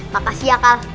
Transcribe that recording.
pakasih ya kal